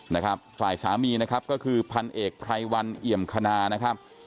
นะครับฝ่ายสามีนะครับก็คือพันเอกไพรวันเอี่ยมคณานะครับ